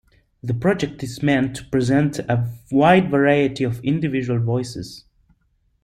The project is meant to present a wide variety of individual voices.